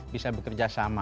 bisa bekerja sama